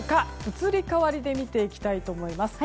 移り変わりで見ていきたいと思います。